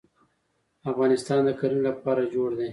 افغانستان د کرنې لپاره جوړ دی.